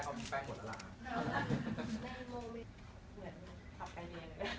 วันนั้นพี่ทาแป้งเองด้วยใช่มั้ย